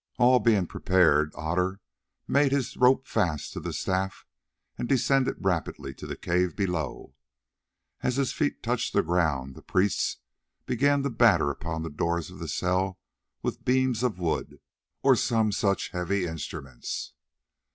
All being prepared, Otter made his rope fast to the staff and descended rapidly to the cave below. As his feet touched the ground, the priests began to batter upon the doors of the cell with beams of wood, or some such heavy instruments.